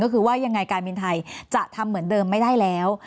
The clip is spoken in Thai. ก็คือว่ายังไงการบินไทยจะทำเหมือนเดิมไม่ได้แล้ว